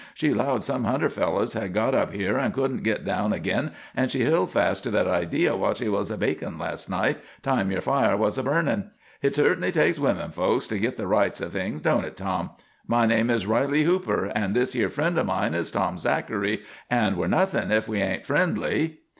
She 'lowed some hunter fellers had got up here and couldn't git down ag'in, and she hild fast to that idea while she was a bakin' last night, time your fire was a burnin'. Hit certainly takes women folks to git the rights o' things, don't hit, Tom? My name is Riley Hooper, and this yer friend o' mine is Tom Zachary, and we're nothin' if we ain't friendly."